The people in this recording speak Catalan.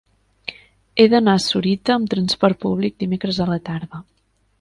He d'anar a Sorita amb transport públic dimecres a la tarda.